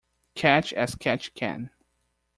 Catch as catch can.